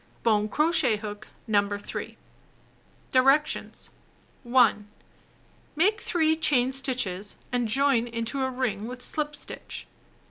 Bone crochet hook No. 3. Directions : 1. Make 3 chain stitches and join into a ring with slip stitch.